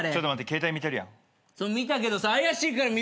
携帯見てるやん。